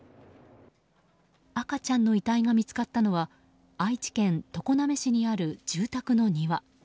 赤ちゃんの遺体が見つかったのは愛知県常滑市にある住宅の庭。